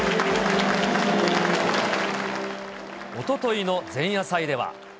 おとといの前夜祭では。